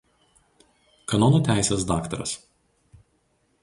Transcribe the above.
Kanonų teisės daktaras.